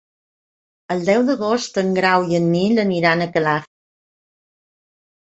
El deu d'agost en Grau i en Nil aniran a Calaf.